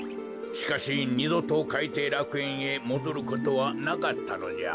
しかしにどとかいていらくえんへもどることはなかったのじゃ。